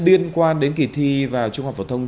điên quan đến kỳ thi vào trung học phổ thông